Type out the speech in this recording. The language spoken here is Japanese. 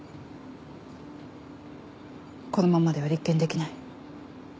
このままでは立件できない。